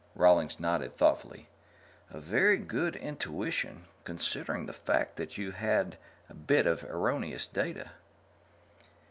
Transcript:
Rawlings nodded thoughtfully. "A very good intuition, considering the fact that you had a bit of erroneous data."